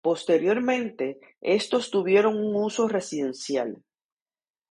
Posteriormente, estos tuvieron un uso residencial.